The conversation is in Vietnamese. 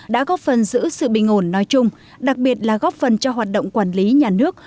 đã góp phần giữ sự bình ổn nói chung đặc biệt là góp phần cho hoạt động quản lý nhà nước